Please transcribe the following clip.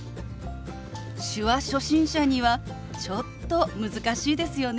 手話初心者にはちょっと難しいですよね。